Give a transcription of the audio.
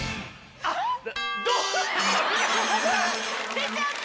出ちゃった！